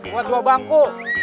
buat dua bangku